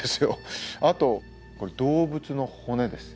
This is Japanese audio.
あとこれ動物の骨です。